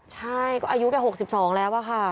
ใช่ก็อายุแก๖๒แล้วอะค่ะ